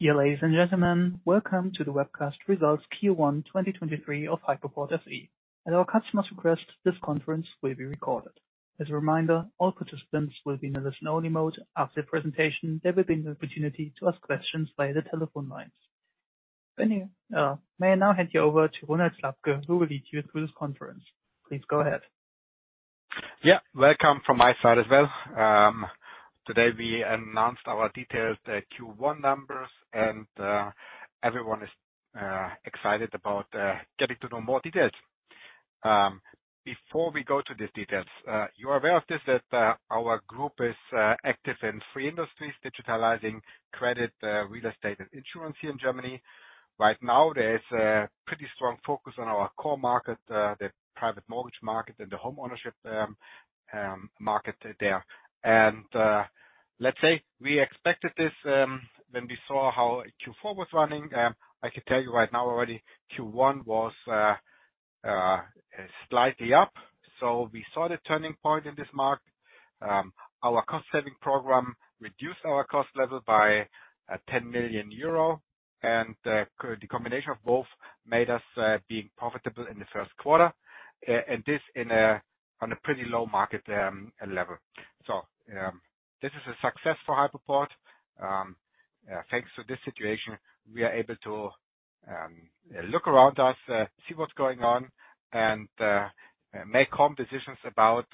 Dear ladies and gentlemen, welcome to the webcast results Q1 2023 of Hypoport SE. At our customer's request, this conference will be recorded. As a reminder, all participants will be in listen only mode. After the presentation, there will be an opportunity to ask questions via the telephone lines. May I now hand you over to Ronald Slabke, who will lead you through this conference. Please go ahead. Yeah, welcome from my side as well. Today, we announced our detailed Q1 numbers, everyone is excited about getting to know more details. Before we go to the details, you are aware of this, our group is active in three industries: digitalizing credit, real estate, and insurance here in Germany. Right now, there is a pretty strong focus on our core market, the private mortgage market and the home ownership market there. Let's say we expected this when we saw how Q4 was running. I can tell you right now already, Q1 was slightly up. We saw the turning point in this market. Our cost-saving program reduced our cost level by 10 million euro. The combination of both made us being profitable in the first quarter on a pretty low market level. This is a success for Hypoport. Thanks to this situation, we are able to look around us, see what's going on, make calm decisions about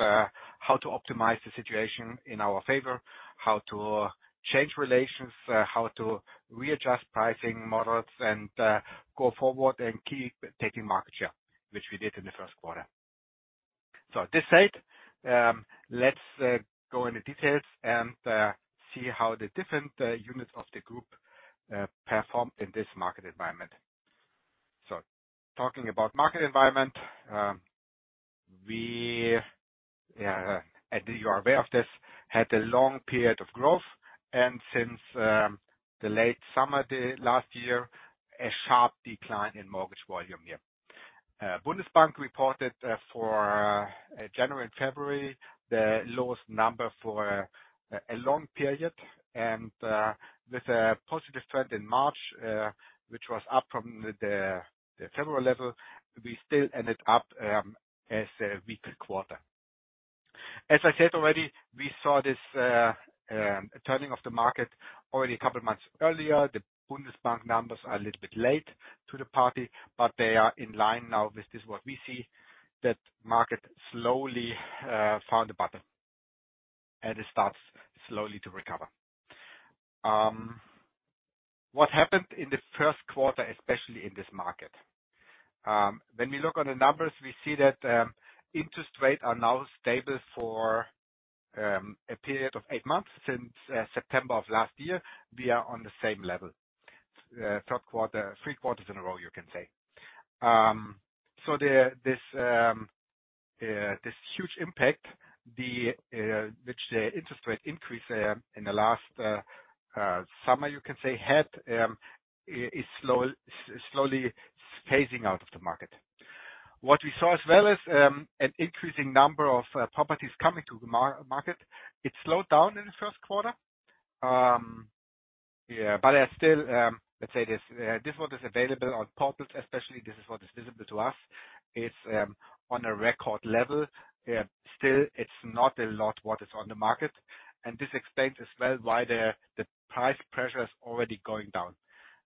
how to optimize the situation in our favor, how to change relations, how to readjust pricing models and go forward and keep taking market share, which we did in the first quarter. This said, let's go into details and see how the different units of the group perform in this market environment. Talking about market environment, we and you are aware of this, had a long period of growth. Since the late summer day last year, a sharp decline in mortgage volume here. Bundesbank reported for January and February, the lowest number for a long period. With a positive trend in March, which was up from the February level, we still ended up as a weaker quarter. As I said already, we saw this turning of the market already a couple months earlier. The Bundesbank numbers are a little bit late to the party, but they are in line now with this what we see, that market slowly found a bottom, and it starts slowly to recover. What happened in the first quarter, especially in this market? When we look on the numbers, we see that interest rates are now stable for a period of eight months. Since September of last year, we are on the same level. Three quarters in a row, you can say. This huge impact, the which the interest rate increase in the last summer, you can say, had is slowly phasing out of the market. What we saw as well is an increasing number of properties coming to the market. It slowed down in the first quarter. Yeah, there are still, let's say this one is available on especially this is what is visible to us. It's on a record level. Still it's not a lot what is on the market. This explains as well why the price pressure is already going down.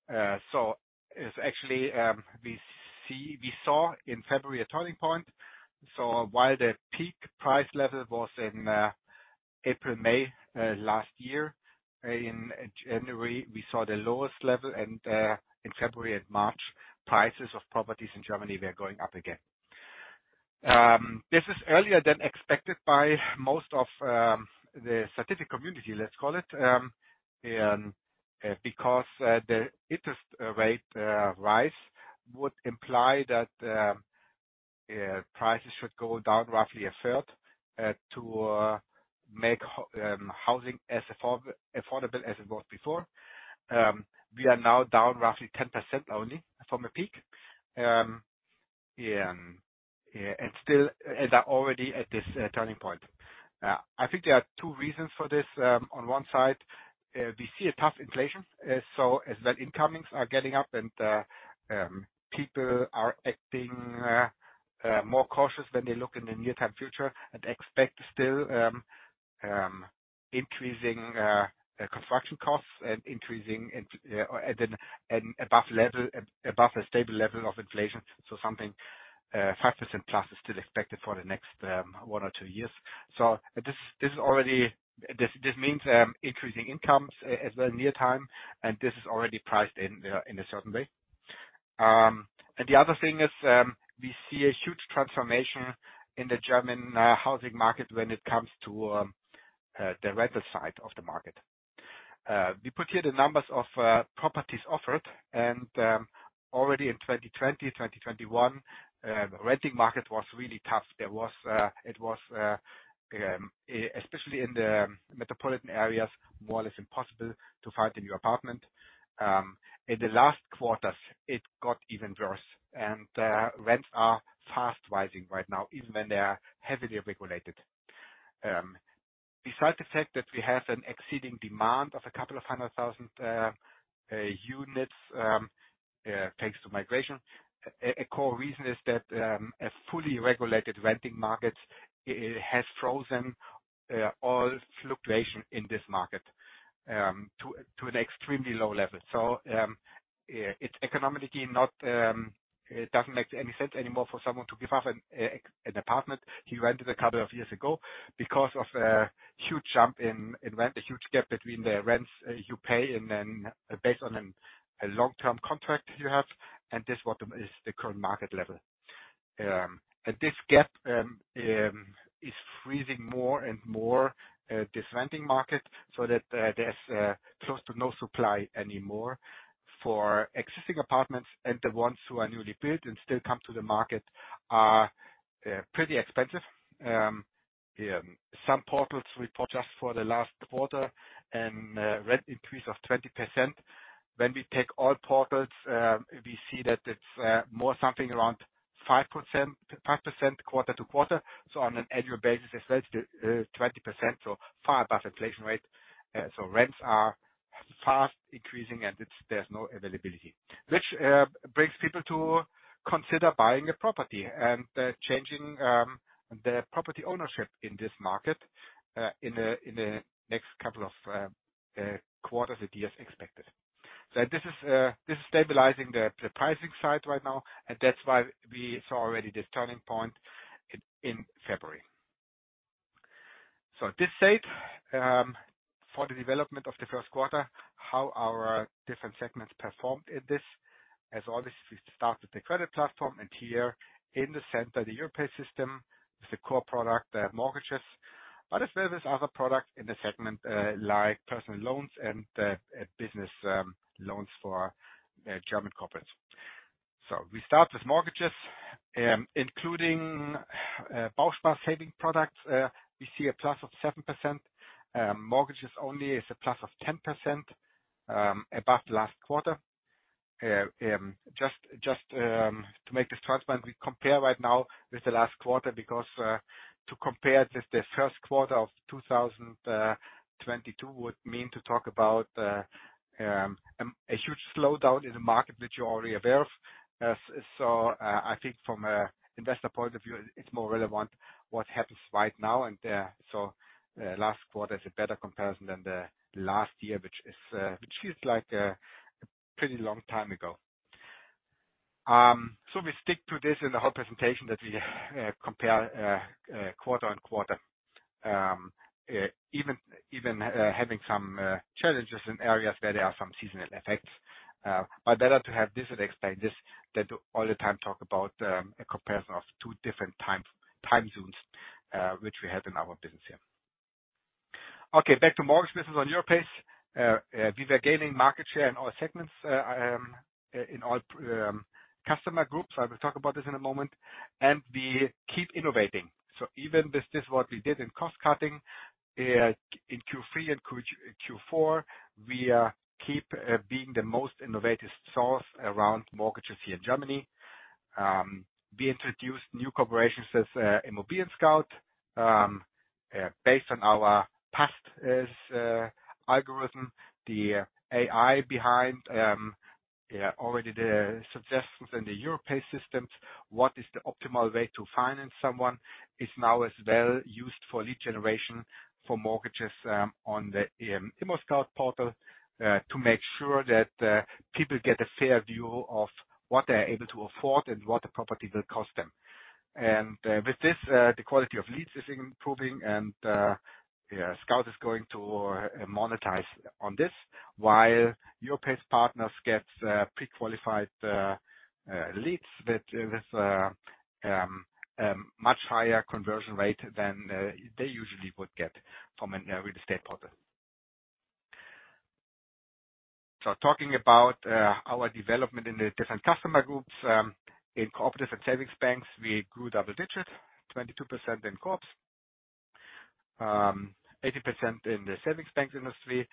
It's actually, we saw in February a turning point. While the peak price level was in April, May last year. In January, we saw the lowest level. In February and March, prices of properties in Germany were going up again. This is earlier than expected by most of the statistic community, let's call it. Because the interest rate rise would imply that prices should go down roughly a third to make housing as affordable as it was before. We are now down roughly 10% only from the peak. And are already at this turning point. I think there are two reasons for this. On one side, we see a tough inflation. As well incomings are getting up and people are acting more cautious when they look in the near-term future and expect still increasing construction costs and above a stable level of inflation. Something, 5%+ is still expected for the next one or two years. This means increasing incomes as well near time, and this is already priced in in a certain way. The other thing is, we see a huge transformation in the German housing market when it comes to the rental side of the market. We put here the numbers of properties offered, already in 2020, 2021, the renting market was really tough. It was especially in the metropolitan areas, more or less impossible to find a new apartment. In the last quarters, it got even worse. Rents are fast rising right now, even when they are heavily regulated. Besides the fact that we have an exceeding demand of a couple of 100,000 units, thanks to migration. A core reason is that a fully regulated renting market it has frozen all fluctuation in this market to an extremely low level. It's economically not it doesn't make any sense anymore for someone to give up an apartment he rented a couple of years ago because of a huge jump in rent. A huge gap between the rents, you pay and then based on a long-term contract you have, and this what is the current market level. And this gap is freezing more and more this renting market so that there's close to no supply anymore for existing apartments and the ones who are newly built and still come to the market are pretty expensive. Some portals report just for the last quarter, rent increase of 20%. When we take all portals, we see that it's more something around 5%, 5% quarter to quarter. So on an annual basis as well is 20%, so far above inflation rate. So rents are fast increasing and there's no availability. Which brings people to consider buying a property and changing their property ownership in this market in the next couple of quarters and years expected. This is stabilizing the pricing side right now, and that's why we saw already this turning point in February. This said, for the development of the first quarter, how our different segments performed in this. As always, we start with the credit platform and here in the center, the Europace system is the core product, mortgages. But as well as other products in the segment, like personal loans and business loans for German corporates. We start with mortgages, including Bauspar saving products. We see a plus of 7%. Mortgages only is a plus of 10% above last quarter. Just to make this transparent, we compare right now with the last quarter because to compare with Q1 of 2022 would mean to talk about a huge slowdown in the market which you're already aware of. I think from an investor point of view, it's more relevant what happens right now. Last quarter is a better comparison than the last year, which is like a pretty long time ago. We stick to this in the whole presentation that we compare quarter-on-quarter. Even having some challenges in areas where there are some seasonal effects. Better to have this and explain this than to all the time talk about a comparison of two different time zones, which we have in our business here. Okay, back to mortgages on Europace. We were gaining market share in all segments, in all customer groups. I will talk about this in a moment. We keep innovating. Even with this what we did in cost cutting in Q3 and Q4, we keep being the most innovative source around mortgages here in Germany. We introduced new collaborations with ImmobilienScout24. Based on our #passt algorithm. The AI behind already the suggestions in the Europace systems. What is the optimal way to finance someone is now as well used for lead generation for mortgages on the ImmoScout24 portal. To make sure that people get a fair view of what they're able to afford and what the property will cost them. With this, the quality of leads is improving and yeah, Scout is going to monetize on this while Europace partners gets pre-qualified leads with much higher conversion rate than they usually would get from an real estate portal. Talking about our development in the different customer groups. In cooperatives and savings banks, we grew double digits, 22% in co-ops. 80% in the savings banks industry,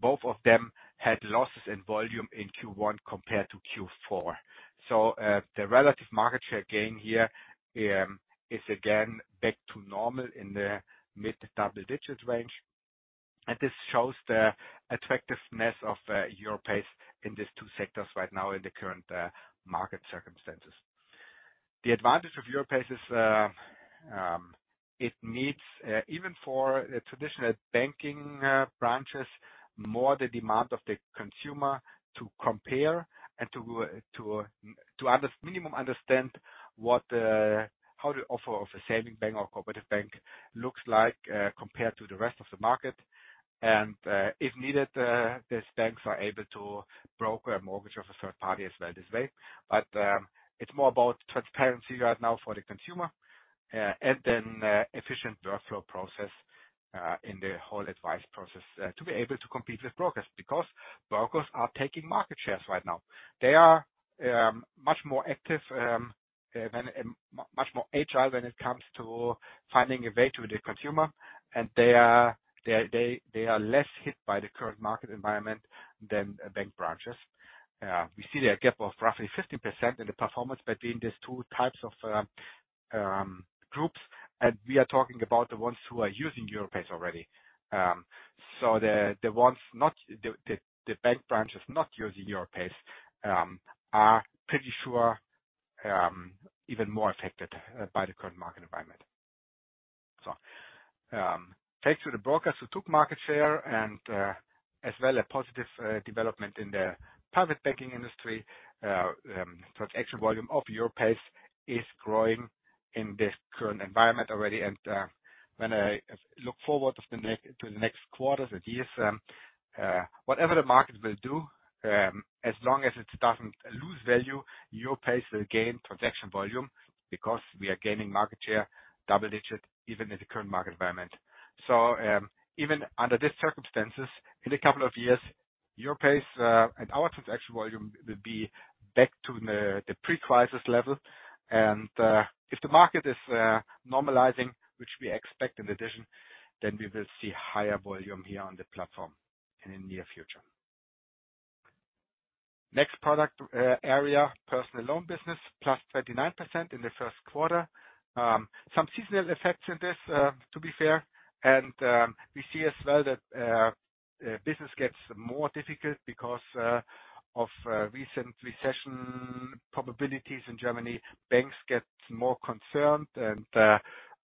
both of them had losses in volume in Q1 compared to Q4. The relative market share gain here is again back to normal in the mid to double digits range. This shows the attractiveness of Europace in these two sectors right now in the current market circumstances. The advantage of Europace is it meets even for traditional banking branches, more the demand of the consumer to compare and to minimum understand how the offer of a saving bank or cooperative bank looks like compared to the rest of the market. If needed, these banks are able to broker a mortgage of a third party as well this way. It's more about transparency right now for the consumer and then efficient workflow process in the whole advice process to be able to compete with brokers. Brokers are taking market shares right now. They are much more active, much more agile when it comes to finding a way to the consumer. They are less hit by the current market environment than bank branches. We see a gap of roughly 15% in the performance between these two types of groups, and we are talking about the ones who are using Europace already. The bank branches not using Europace are pretty sure even more affected by the current market environment. Thanks to the brokers who took market share and as well a positive development in the private banking industry. Transaction volume of Europace is growing in this current environment already. When I look forward to the next quarters and years, whatever the market will do, as long as it doesn't lose value, Europace will gain transaction volume because we are gaining market share double digits even in the current market environment. Even under these circumstances, in a couple of years, Europace and our transaction volume will be back to the pre-crisis level. If the market is normalizing, which we expect in addition, then we will see higher volume here on the platform in the near future. Next product area, personal loan business, +39% in the first quarter. Some seasonal effects in this to be fair. We see as well that business gets more difficult because of recent recession probabilities in Germany. Banks get more concerned,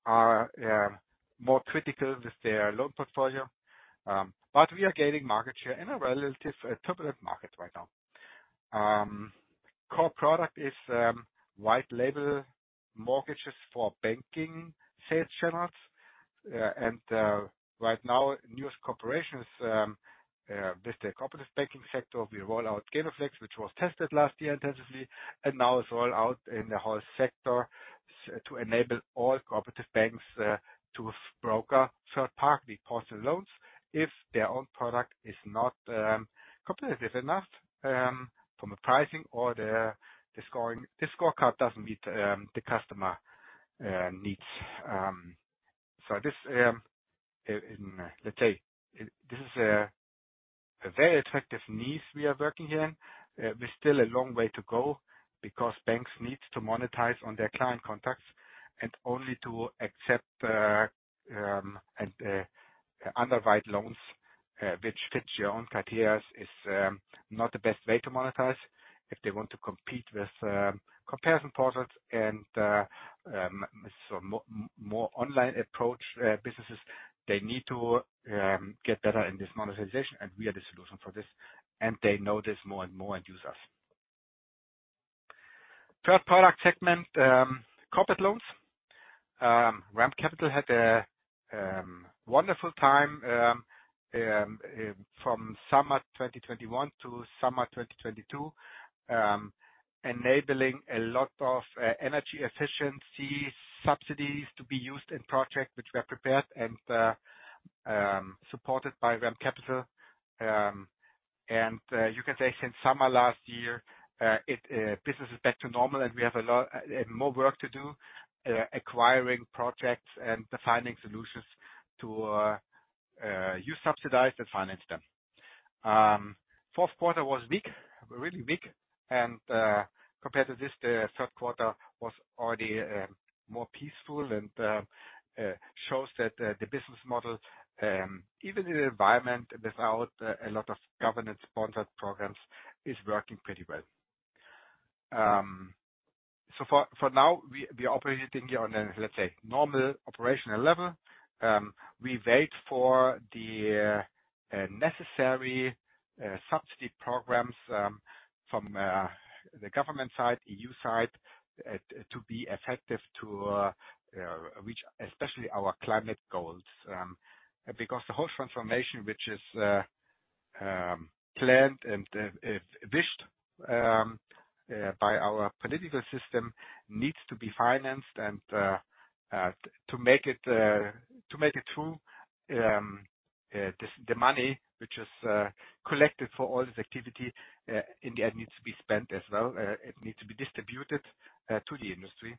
are more critical with their loan portfolio. We are gaining market share in a relatively turbulent market right now. Core product is white label mortgages for banking sales channels. Right now, newest cooperation is with the cooperative banking sector. We roll out GENOFLEX, which was tested last year intensively, and now it's rolled out in the whole sector to enable all cooperative banks to broker third-party personal loans if their own product is not competitive enough from a pricing or The scorecard doesn't meet the customer needs. This, Let's say this is a very attractive niche we are working here in. We're still a long way to go because banks need to monetize on their client contacts, and only to accept and underwrite loans which fits your own criteria is not the best way to monetize. If they want to compete with comparison portals and more online approach businesses, they need to get better in this monetization, and we are the solution for this, and they know this more and more and use us. Third product segment, corporate loans. REM Capital had a wonderful time from summer 2021 to summer 2022, enabling a lot of energy efficiency subsidies to be used in projects which were prepared and supported by REM Capital. You can say since summer last year, business is back to normal and we have a lot more work to do, acquiring projects and defining solutions to use subsidized and finance them. Fourth quarter was big, really big. Compared to this, the third quarter was already more peaceful and shows that the business model, even in an environment without a lot of government-sponsored programs, is working pretty well. For now we are operating here on a, let's say, normal operational level. We wait for the necessary subsidy programs from the government side, EU side, to be effective to reach especially our climate goals. Because the whole transformation, which is planned and wished by our political system needs to be financed and to make it through, the money which is collected for all this activity in the end needs to be spent as well. It needs to be distributed to the industry.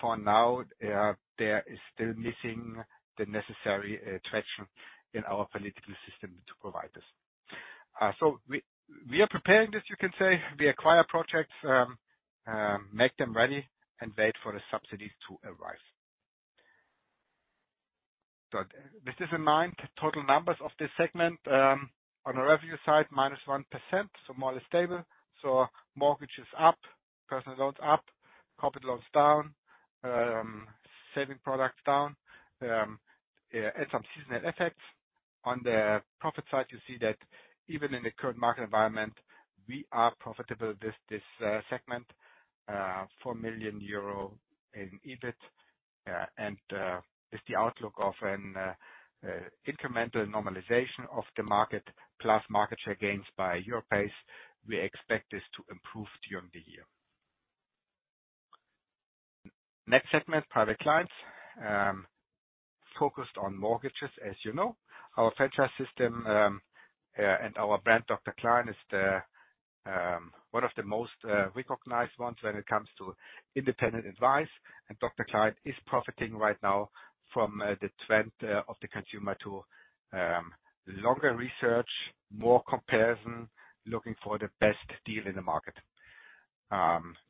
For now, there is still missing the necessary traction in our political system to provide this. We are preparing this, you can say. We acquire projects, make them ready and wait for the subsidies to arrive. This is in line. Total numbers of this segment on the revenue side, -1%, more or less stable. Mortgage is up, personal loans up, corporate loans down, saving products down. Some seasonal effects. On the profit side, you see that even in the current market environment, we are profitable with this segment, 4 million euro in EBIT. With the outlook of an incremental normalization of the market plus market share gains by Europace, we expect this to improve during the year. Next segment, private clients. Focused on mortgages, as you know. Our franchise system and our brand Dr. Klein is the one of the most recognized ones when it comes to independent advice. Dr. Klein is profiting right now from the trend of the consumer to longer research, more comparison, looking for the best deal in the market.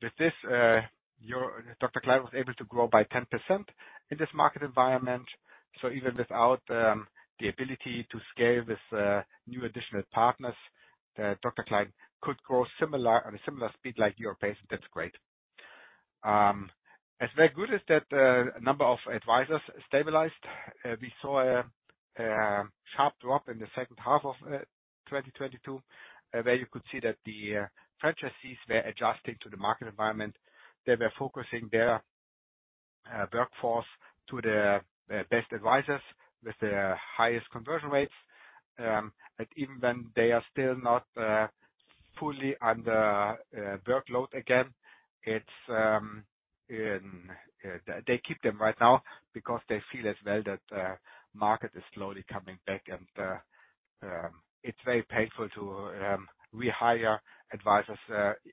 With this, your Dr. Klein was able to grow by 10% in this market environment. Even without the ability to scale with new additional partners, Dr. Klein could grow on a similar speed like Europace. That's great. As very good is that number of advisors stabilized. We saw a sharp drop in the second half of 2022, where you could see that the franchisees were adjusting to the market environment. They were focusing their workforce to the best advisors with the highest conversion rates. Even when they are still not fully under workload again, they keep them right now because they feel as well that market is slowly coming back and it's very painful to rehire advisors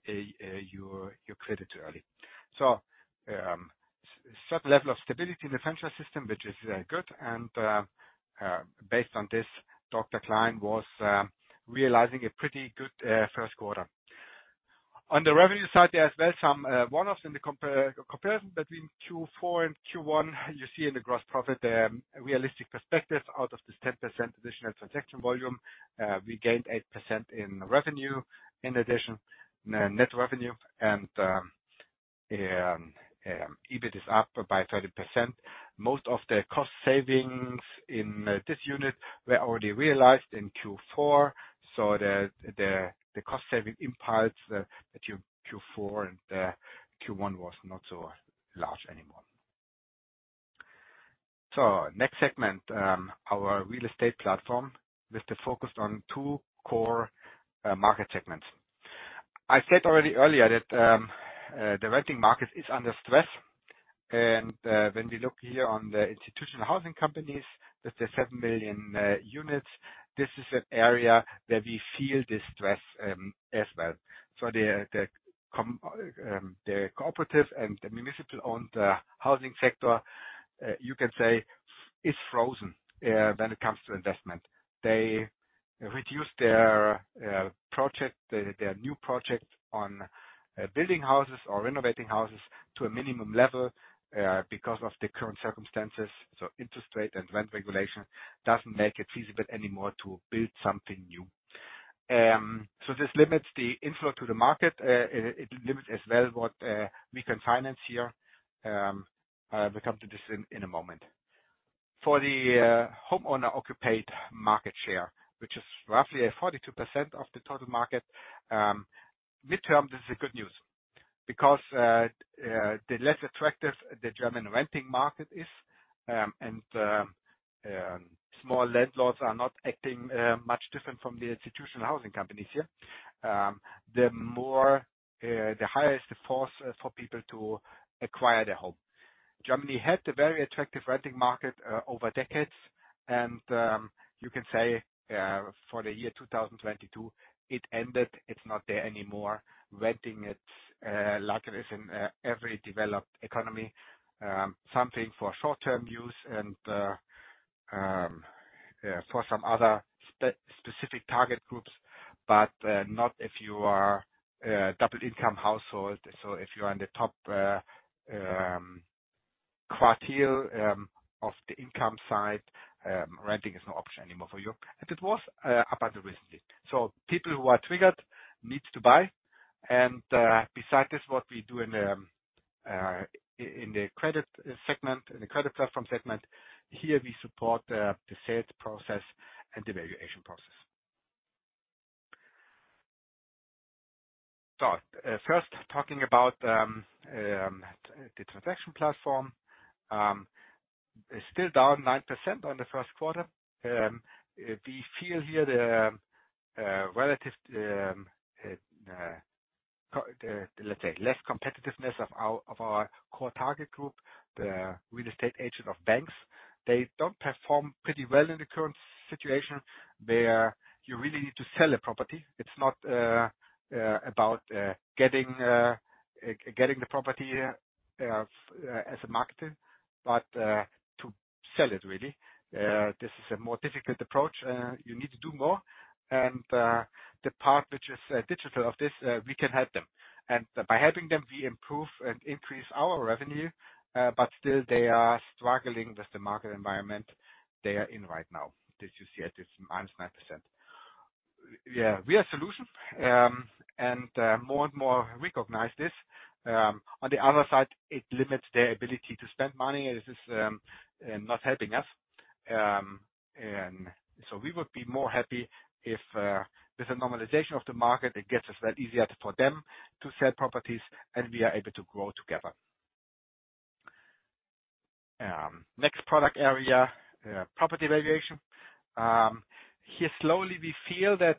you created early. Certain level of stability in the franchise system, which is good and based on this, Dr. Klein was realizing a pretty good first quarter. On the revenue side, there as well, some one-offs in the comparison between Q4 and Q1. You see in the gross profit a realistic perspective. Out of this 10% additional transaction volume, we gained 8% in revenue. In addition, net revenue and EBIT is up by 30%. Most of the cost savings in this unit were already realized in Q4, so the cost-saving impulse that you Q4 and the Q1 was not so large anymore. Next segment, our real estate platform with the focus on two core market segments. I said already earlier that the renting market is under stress. When we look here on the institutional housing companies, that's the seven million units. This is an area where we feel the stress as well. The cooperative and the municipal-owned housing sector, you can say is frozen when it comes to investment. They reduce their project, their new project on building houses or renovating houses to a minimum level because of the current circumstances. Interest rate and rent regulation doesn't make it feasible anymore to build something new. This limits the inflow to the market. It limits as well what we can finance here. I will come to this in a moment. For the homeowner-occupied market share, which is roughly 42% of the total market, midterm, this is a good news because the less attractive the German renting market is, and small landlords are not acting much different from the institutional housing companies here. The highest force for people to acquire their home. Germany had a very attractive renting market over decades. You can say, for the year 2022, it ended. It's not there anymore. Renting, it, like it is in every developed economy, something for short-term use and for some other specific target groups, but not if you are a double income household. If you are in the top quartile of the income side, renting is not an option anymore for you. It was up until recently. People who are triggered needs to buy. Besides this, what we do in the credit segment, in the credit platform segment, here we support the sales process and the valuation process. First talking about the transaction platform. It's still down 9% on the first quarter. We feel here the relative, let's say less competitiveness of our core target group, the real estate agent of banks. They don't perform pretty well in the current situation. Where you really need to sell a property. It's not about getting the property as a marketer, but to sell it really. This is a more difficult approach. You need to do more. The part which is digital of this, we can help them. By helping them, we improve and increase our revenue. But still they are struggling with the market environment they are in right now. That you see it's minus 9%. Yeah, we are solution, and more and more recognize this. On the other side, it limits their ability to spend money. This is not helping us. So we would be more happy if with the normalization of the market, it gets us that easier for them to sell properties, and we are able to grow together. Next product area, property valuation. Here slowly we feel that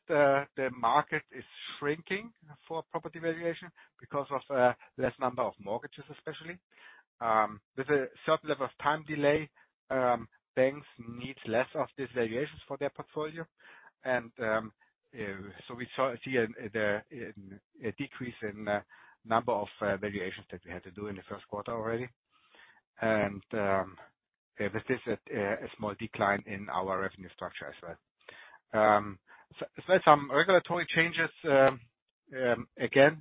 the market is shrinking for property valuation because of less number of mortgages, especially. With a certain level of time delay, banks need less of these valuations for their portfolio. So we see a decrease in number of valuations that we had to do in the first quarter already. Yeah, this is a small decline in our revenue structure as well. Some regulatory changes again,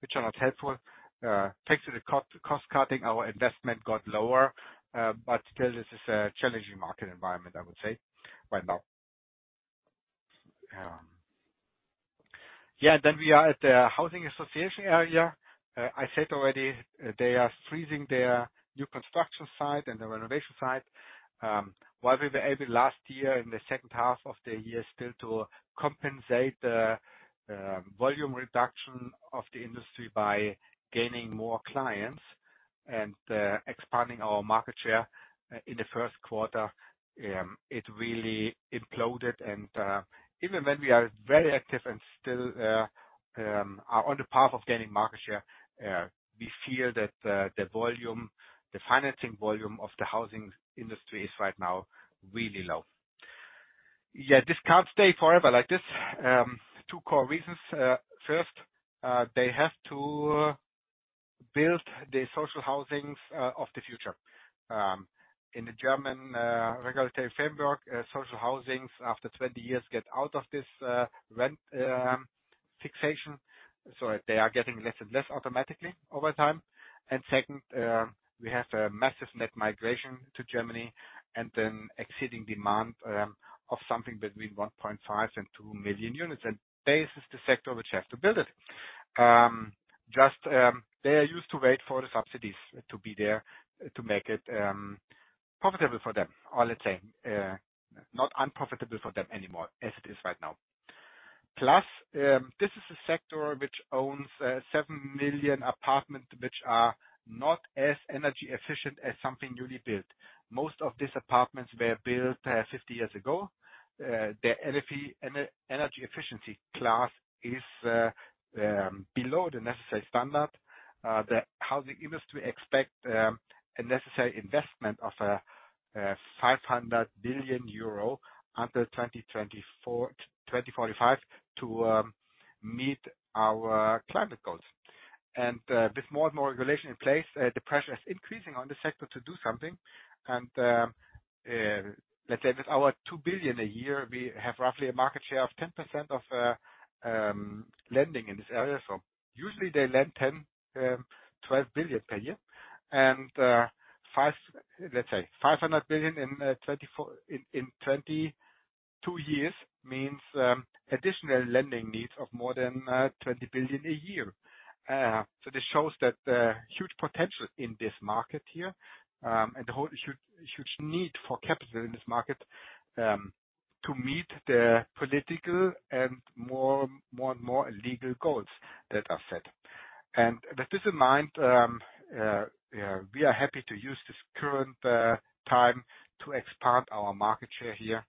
which are not helpful. Thanks to the cost cutting, our investment got lower. Still this is a challenging market environment, I would say right now. Yeah. We are at the housing association area. I said already they are freezing their new construction site and the renovation site. While we were able last year in the second half of the year still to compensate the volume reduction of the industry by gaining more clients and expanding our market share. In the first quarter, it really imploded. Even when we are very active and still are on the path of gaining market share, we feel that the volume, the financing volume of the housing industry is right now really low. Yeah, this can't stay forever like this. Two core reasons. First, they have to build the social housings of the future. In the German regulatory framework, social housings after 20 years get out of this rent fixation. They are getting less and less automatically over time. Second, we have a massive net migration to Germany and an exceeding demand of something between 1.5 and two million units. This is the sector which has to build it. Just, they are used to wait for the subsidies to be there to make it profitable for them. Or let's say, not unprofitable for them anymore, as it is right now. This is a sector which owns seven million apartments which are not as energy efficient as something newly built. Most of these apartments were built 50 years ago. Their EEK energy efficiency class is below the necessary standard. The housing industry expect a necessary investment of EUR 500 billion under 2024-2045 to meet our climate goals. With more and more regulation in place, the pressure is increasing on the sector to do something. Let's say with our 2 billion a year, we have roughly a market share of 10% of lending in this area. Usually they lend 10 billion-12 billion per year. Let's say 500 billion in 2024 in 22 years means additional lending needs of more than 20 billion a year. This shows that there's huge potential in this market here, and a huge, huge need for capital in this market to meet the political and more and more legal goals that are set. With this in mind, we are happy to use this current time to expand our market share here,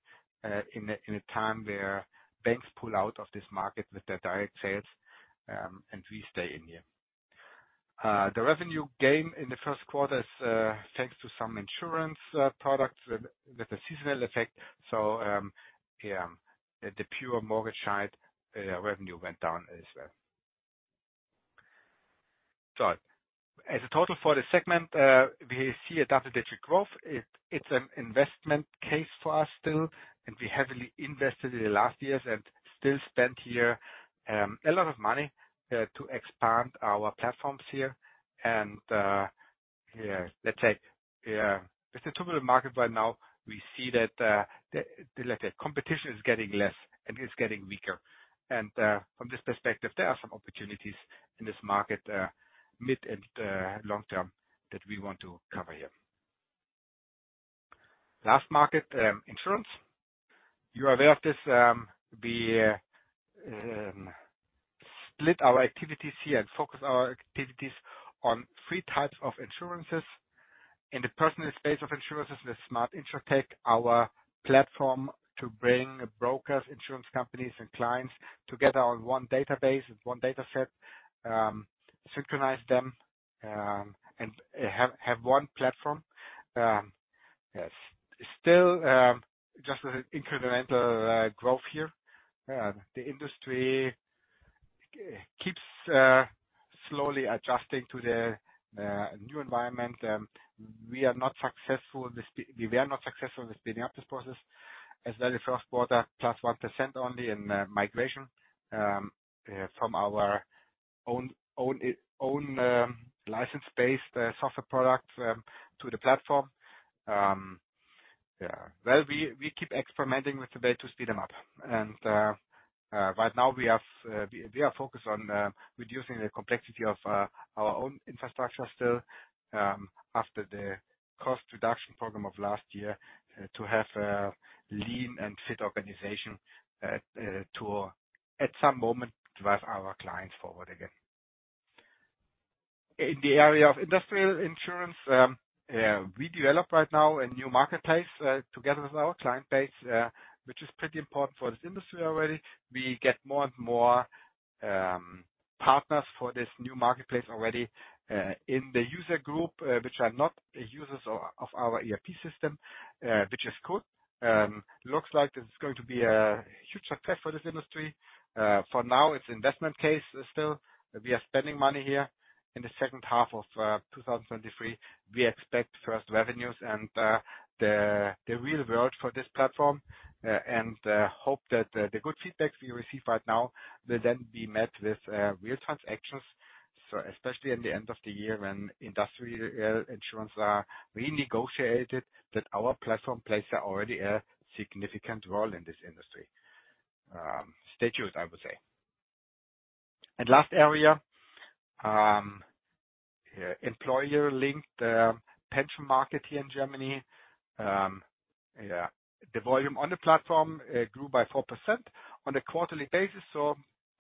in a time where banks pull out of this market with their direct sales, and we stay in here. The revenue gain in the first quarter is thanks to some insurance products with the seasonal effect. The pure mortgage side revenue went down as well. As a total for the segment, we see a double-digit growth. It's an investment case for us still, and we heavily invested in the last years and still spent here a lot of money to expand our platforms here. Let's say. With the total market by now, we see that, like the competition is getting less and it's getting weaker. From this perspective, there are some opportunities in this market, mid and long-term that we want to cover here. Last market, insurance. You are aware of this. We split our activities here and focus our activities on three types of insurances. In the personal space of insurances, the Smart InsurTech, our platform to bring brokers, insurance companies and clients together on one database, one data set, synchronize them, and have one platform. Yes. Still, just an incremental growth here. The industry keeps slowly adjusting to the new environment. We were not successful in speeding up this process as well Q1, plus 1% only in migration from our own license-based software product to the platform. Well, we keep experimenting with the way to speed them up. Right now we are focused on reducing the complexity of our own infrastructure still after the cost reduction program of last year to have a lean and fit organization to at some moment drive our clients forward again. In the area of industrial insurance, we develop right now a new marketplace together with our client base which is pretty important for this industry already. We get more and more partners for this new marketplace already in the user group, which are not users of our ERP system, which is good. Looks like this is going to be a huge success for this industry. For now, it's investment case still. We are spending money here. In the second half of 2023, we expect first revenues and the real world for this platform, and hope that the good feedback we receive right now will then be met with real transactions. Especially in the end of the year when industrial insurance are renegotiated, that our platform plays already a significant role in this industry. Stay tuned, I would say. Last area, employer-linked pension market here in Germany. Yeah. The volume on the platform grew by 4% on a quarterly basis. On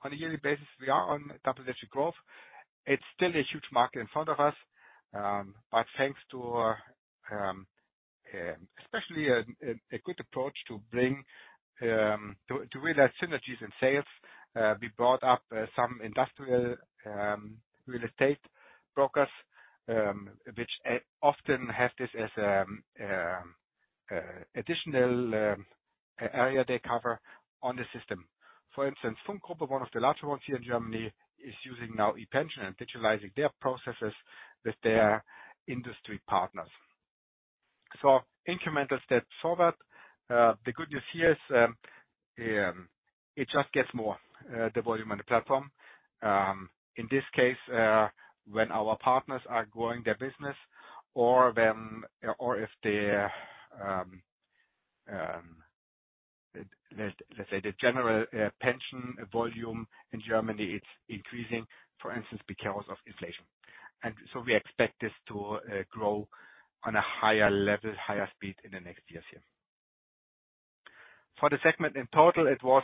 a yearly basis, we are on double-digit growth. It's still a huge market in front of us. Thanks to especially a good approach to realize synergies in sales, we brought up some industrial real estate brokers, which often have this as additional area they cover on the system. For instance, Funk Gruppe, one of the larger ones here in Germany, is using now ePension and digitalizing their processes with their industry partners. Incremental steps for that. The good news here is it just gets more the volume on the platform. In this case, when our partners are growing their business or if they, let's say, the general pension volume in Germany, it's increasing, for instance, because of inflation. We expect this to grow on a higher level, higher speed in the next years here. For the segment in total, it was,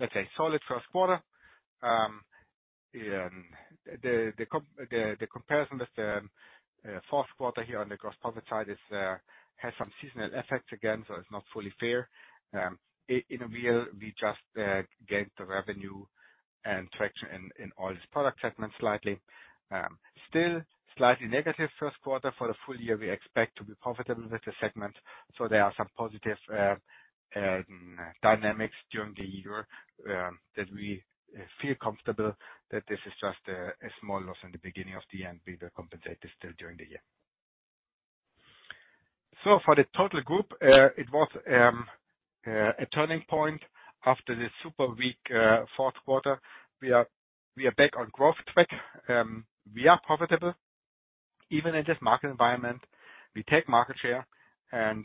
let's say solid first quarter. The comparison with the fourth quarter here on the gross profit side is has some seasonal effects again, so it's not fully fair. In a year, we just gained the revenue and traction in all these product segments slightly. Still slightly negative first quarter. For the full year, we expect to be profitable with the segment, there are some positive dynamics during the year that we feel comfortable that this is just a small loss in the beginning of the end. We will compensate this still during the year. For the total group, it was a turning point after the super weak fourth quarter. We are back on growth track. We are profitable even in this market environment. We take market share and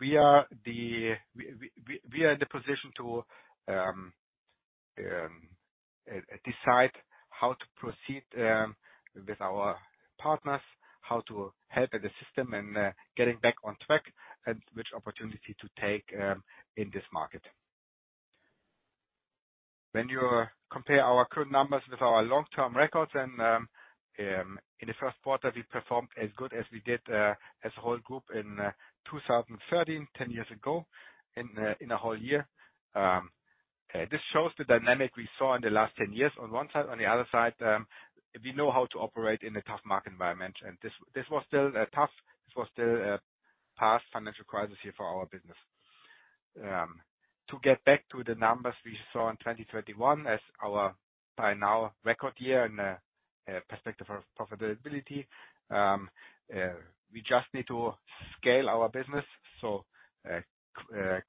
we are in the position to decide how to proceed with our partners, how to help in the system and getting back on track and which opportunity to take in this market. When you compare our current numbers with our long-term records, in the first quarter, we performed as good as we did as a whole group in 2013, 10 years ago, in a whole year. This shows the dynamic we saw in the last 10 years on one side. On the other side, we know how to operate in a tough market environment. This was still tough. This was still #passt financial crisis here for our business. To get back to the numbers we saw in 2021 as our by now record year in perspective of profitability, we just need to scale our business.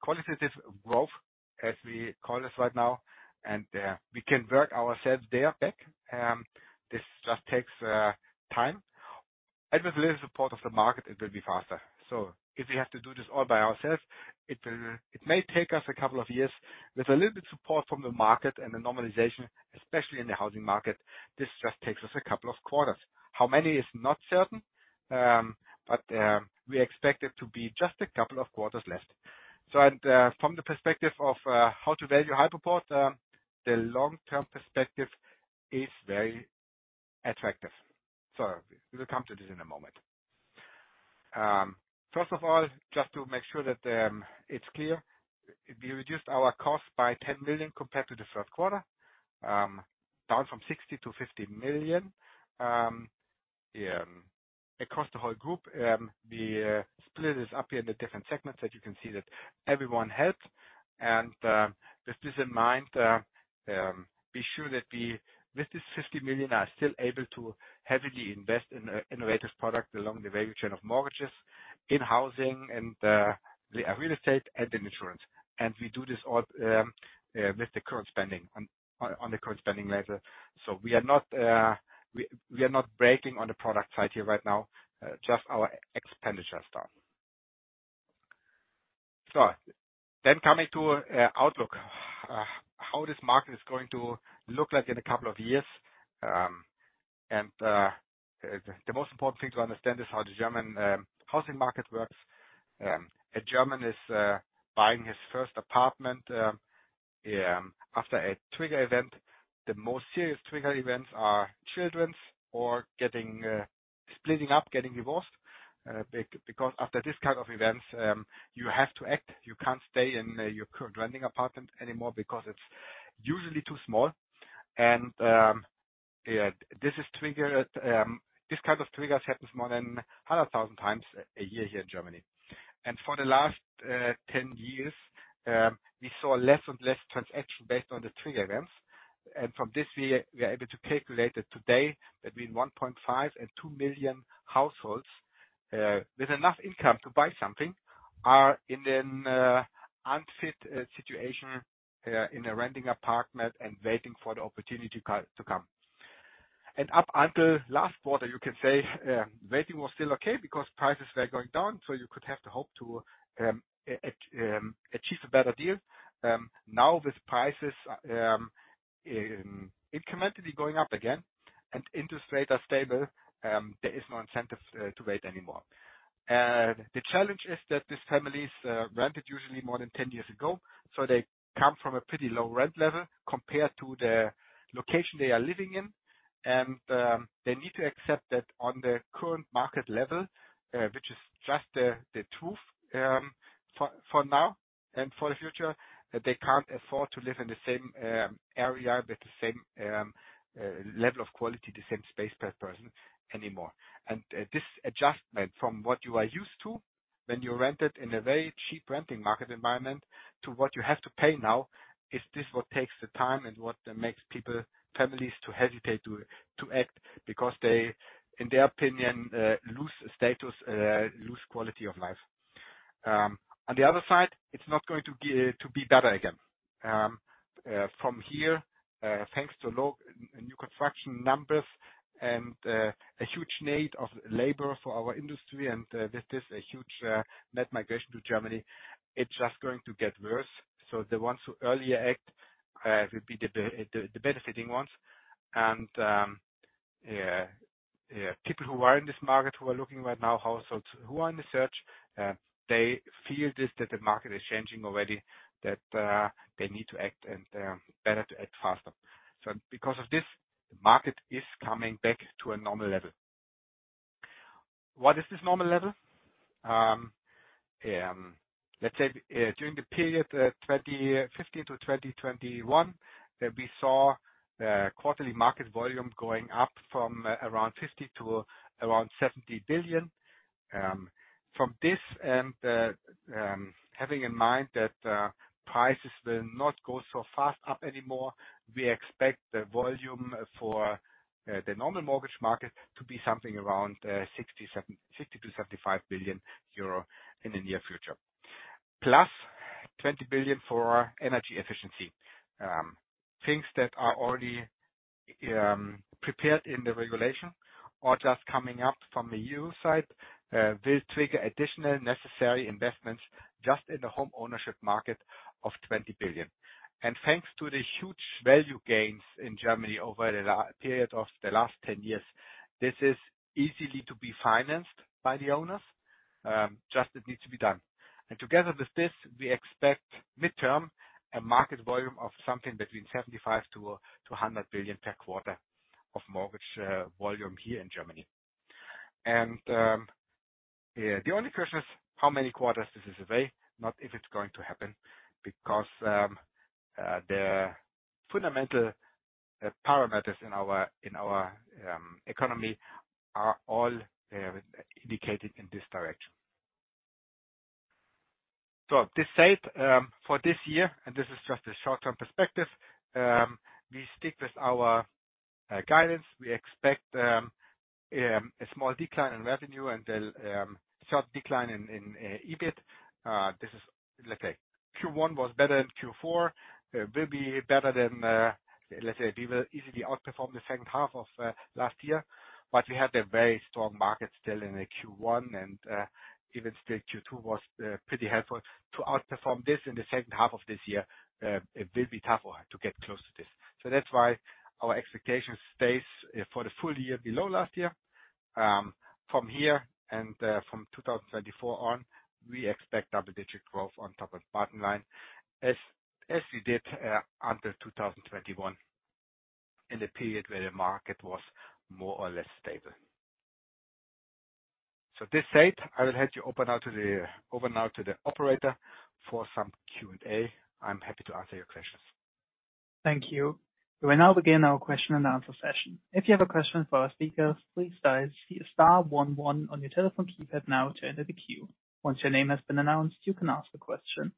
Qualitative growth, as we call this right now, and we can work ourselves there back. This just takes time. With a little support of the market, it will be faster. If we have to do this all by ourselves, it may take us a couple of years. With a little bit of support from the market and the normalization, especially in the housing market, this just takes us a couple of quarters. How many is not certain, but we expect it to be just a couple of quarters left. From the perspective of how to value Hypoport, the long-term perspective is very attractive. We will come to this in a moment. First of all, just to make sure that it's clear, we reduced our cost by 10 billion compared to the third quarter, down from 60 million-50 million across the whole group. The split is up here in the different segments that you can see that everyone helped. With this in mind, be sure that we, with this 50 million, are still able to heavily invest in innovative product along the value chain of mortgages in housing and the real estate and in insurance. We do this all with the current spending on the current spending level. We are not breaking on the product side here right now, just our expenditure stuff. Coming to outlook. How this market is going to look like in a couple of years. The most important thing to understand is how the German housing market works. A German is buying his first apartment after a trigger event. The most serious trigger events are children or splitting up, getting divorced. Because after this kind of events, you have to act. You can't stay in your current renting apartment anymore because it's usually too small. Yeah, this is triggered. This kind of triggers happens more than 100,000 times a year here in Germany. For the last 10 years, we saw less and less transaction based on the trigger events. From this year, we are able to calculate that today, between 1.5 million and two million households with enough income to buy something are in an unfit situation in a renting apartment and waiting for the opportunity to come. Up until last quarter, you can say, waiting was still okay because prices were going down, so you could have to hope to achieve a better deal. Now with prices incrementally going up again and interest rates are stable, there is no incentive to wait anymore. The challenge is that these families rented usually more than 10 years ago, so they come from a pretty low rent level compared to the location they are living in. They need to accept that on the current market level, which is just the truth for now and for the future, that they can't afford to live in the same area with the same level of quality, the same space per person anymore. This adjustment from what you are used to when you rented in a very cheap renting market environment to what you have to pay now, is this what takes the time and what makes people, families to hesitate to act because they, in their opinion, lose status, lose quality of life? On the other side, it's not going to be better again. From here, thanks to low new construction numbers and a huge need of labor for our industry and with this a huge net migration to Germany, it's just going to get worse. The ones who earlier act will be the benefiting ones. People who are in this market, who are looking right now, households who are in the search, they feel this, that the market is changing already, that they need to act and better to act faster. Because of this, the market is coming back to a normal level. What is this normal level? Let's say, during the period 2015 to 2021, that we saw quarterly market volume going up from around 50 to around 70 billion. From this and having in mind that prices will not go so fast up anymore, we expect the volume for the normal mortgage market to be something around 60 billion-75 billion euro in the near future. Plus 20 billion for energy efficiency. Things that are already prepared in the regulation or just coming up from the EU side will trigger additional necessary investments just in the home ownership market of 20 billion. Thanks to the huge value gains in Germany over the period of the last 10 years, this is easily to be financed by the owners. Just it needs to be done. Together with this, we expect midterm a market volume of something between 75 billion-100 billion per quarter of mortgage volume here in Germany. The only question is how many quarters this is away, not if it's going to happen because the fundamental parameters in our economy are all indicated in this direction. This said, for this year, and this is just a short-term perspective, we stick with our guidance. We expect a small decline in revenue and then sharp decline in EBIT. This is like a Q1 was better than Q4. We'll be better than, let's say we will easily outperform the second half of last year. We had a very strong market still in the Q1, and even still Q2 was pretty helpful. To outperform this in the second half of this year, it will be tougher to get close to this. That's why our expectation stays for the full year below last year. From here and, from 2024 on, we expect double-digit growth on top and bottom line, as we did, under 2021 in the period where the market was more or less stable. this said, I will hand you over now to the operator for some Q&A. I'm happy to answer your questions. Thank you. We will now begin our question and answer session. If you have a question for our speakers, please dial star one one on your telephone keypad now to enter the queue. Once your name has been announced, you can ask the question.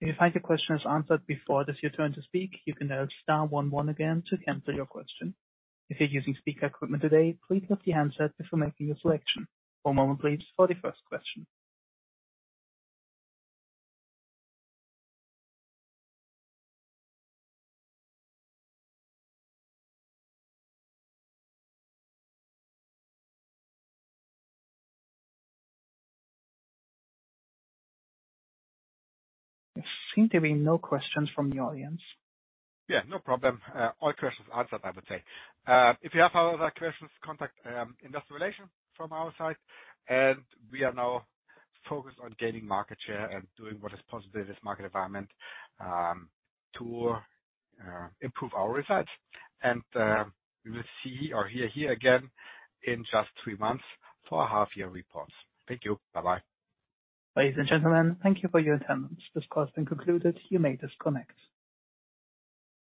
If you find your question is answered before it is your turn to speak, you can dial star one one again to cancel your question. If you're using speaker equipment today, please lift your handset before making a selection. One moment please for the first question. There seem to be no questions from the audience. Yeah, no problem. All questions answered, I would say. If you have other questions, contact investor relations from our side. We are now focused on gaining market share and doing what is possible in this market environment to improve our results. We will see or hear here again in just three months for our half year reports. Thank you. Bye-bye. Ladies and gentlemen, thank you for your attendance. This call has been concluded. You may disconnect.